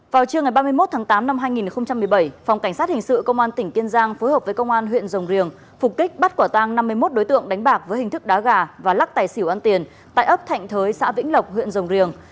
vào trưa ngày ba mươi một tháng tám năm hai nghìn một mươi bảy phòng cảnh sát hình sự công an tỉnh kiên giang phối hợp với công an huyện rồng riềng phục kích bắt quả tăng năm mươi một đối tượng đánh bạc với hình thức đá gà và lắc tài xỉu ăn tiền tại ấp thạnh thới xã vĩnh lộc huyện rồng riềng